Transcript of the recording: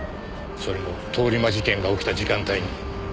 それも通り魔事件が起きた時間帯に。